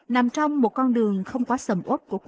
nằm trong một con đường không quá sầm